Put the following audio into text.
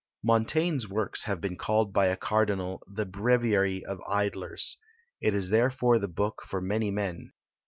Montaigne's Works have been called by a Cardinal, "The Breviary of Idlers." It is therefore the book for many men.